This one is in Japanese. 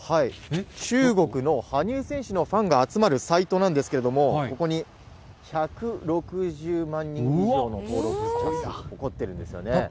中国の羽生選手のファンが集まるサイトなんですけれども、ここに、１６０万人以上の登録者数を誇っているんですよね。